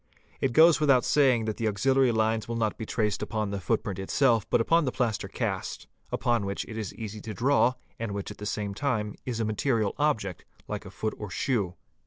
It goes without saying that the auxiliary lines will not be traced upon the footprint itself but upon the plaster cast, upon which it is easy to draw and which at the same time is a material object like a foot or shoe.